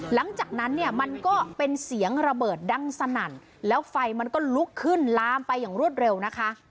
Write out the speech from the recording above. หลังจากนั้นเนี่ยมันก็เป็นเสียงระเบิดดังสนั่นแล้วไฟมันก็ลุกขึ้นลามไปอย่างรวดเร็วนะคะ